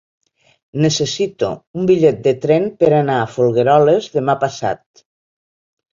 Necessito un bitllet de tren per anar a Folgueroles demà passat.